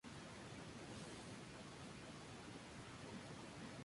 Romero los convirtió jugando contra Velez Sarsfield.